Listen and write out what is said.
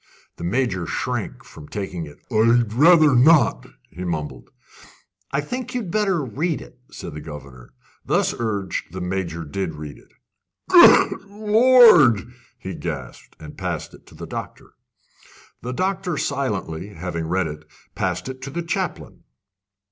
The Major shrank from taking it. "I I'd rather not," he mumbled. "I think you had better read it," said the governor. Thus urged, the Major did read it. "Good Lord!" he gasped, and passed it to the doctor. The doctor silently, having read it, passed it to the chaplain.